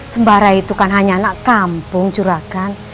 sembara itu kan hanya anak kampung curakan